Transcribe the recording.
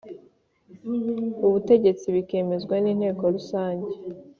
Ubutegetsi bikemezwa n Inteko Rusange